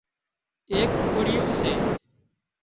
ايڪ ڪُڙيون سي